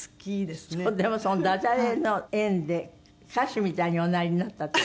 でもそのダジャレの縁で歌手みたいにおなりになったって。